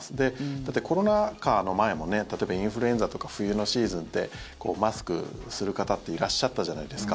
だって、コロナ禍の前も例えばインフルエンザとか冬のシーズンってマスクする方っていらっしゃったじゃないですか。